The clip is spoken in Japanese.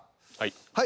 はい。